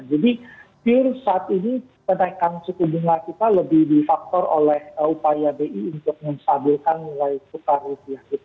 jadi pure saat ini kenaikan suku bunga kita lebih difaktor oleh upaya bei untuk menstabilkan nilai kutah rupiah kita